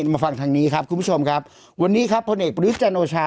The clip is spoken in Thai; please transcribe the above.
มาฟังทางนี้ครับคุณผู้ชมครับวันนี้ครับพลเอกประยุทธ์จันโอชา